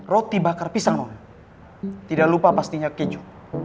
roti bakar pisang tidak lupa pastinya keju